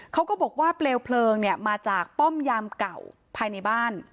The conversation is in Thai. บอกว่าเปลวเพลิงมาจากป้อมยามเก่าภายในบ้าน